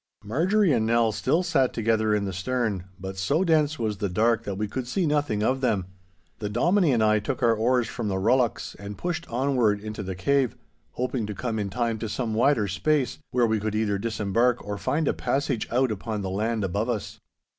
Marjorie and Nell still sat together in the stern, but so dense was the dark that we could see nothing of them. The Dominie and I took our oars from the rullocks and pushed onward into the cave, hoping to come in time to some wider space, where we could either disembark or find a passage out upon the land above us.